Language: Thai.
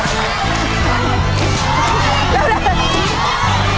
เร็วนี่